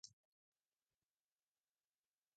তাদের কাছে ক্ষমা চেয়ে নে, মারি।